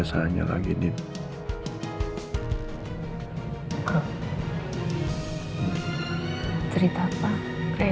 lo yang harus pengen berhubung kami